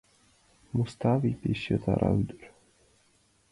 Муставий — пеш йытыра ӱдыр.